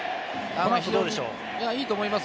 いいと思います。